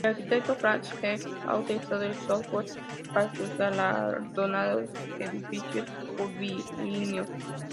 El arquitecto Frank Gehry ha utilizado el software para sus galardonados edificios curvilíneos.